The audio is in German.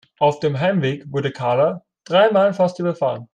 Auf dem Heimweg wurde Karla dreimal fast überfahren.